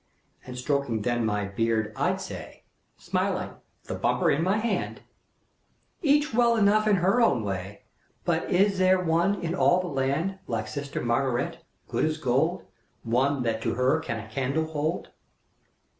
And stroking then my beard, I'd say, Smiling, the bumper in my hand: "Each well enough in her own way. But is there one in all the land Like sister Margaret, good as gold, One that to her can a candle hold?"